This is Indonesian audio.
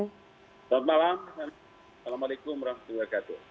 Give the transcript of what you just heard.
saat malam assalamualaikum wr wb